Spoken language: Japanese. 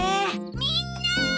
みんな！